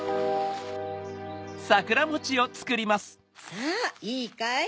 さぁいいかい？